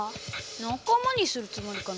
仲間にするつもりかな？